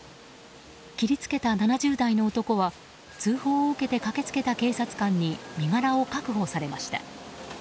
切りつけた７０代の男は通報を受けて駆け付けた警察官に身柄を確保されました。